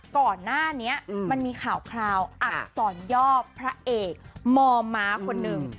ก่อนหน้านี้มันมีข่าวคราวอักษรย่อพระเอกมมคนหนึ่ง